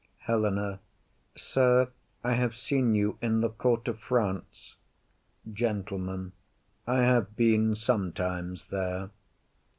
HELENA. Sir, I have seen you in the court of France. GENTLEMAN. I have been sometimes there.